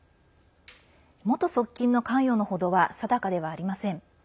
元側近の関与の程は定かではありません。